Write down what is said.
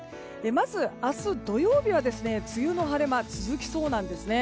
まず、明日土曜日は梅雨の晴れ間が続きそうです。